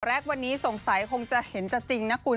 แรกวันนี้สงสัยคงจะเห็นจะจริงนะคุณ